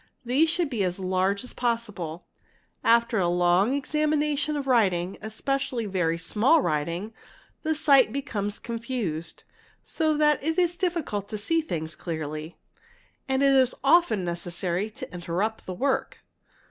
These should be as large as possible. _ After a long examination of writing, especially very small writing, the sight becomes confused, so that it is difficult to see things clearly ; and it is often necessary to interrupt the work.